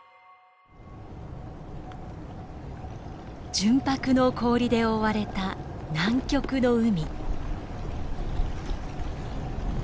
純白の氷で覆われた南極の海。